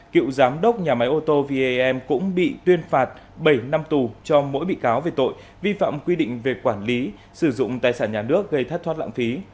cựu giám đốc nhà máy ô tô vam cũng bị tuyên phạt bảy năm tù cho mỗi bị cáo về tội vi phạm quy định về quản lý sử dụng tài sản nhà nước gây thất thoát lãng phí